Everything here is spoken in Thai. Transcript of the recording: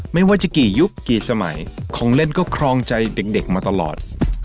ไม่ว่าจะกี่ยุคกี่สมัยของเล่นก็ครองใจเด็กมาตลอด